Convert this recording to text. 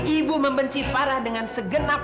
ibu membenci farah dengan segenap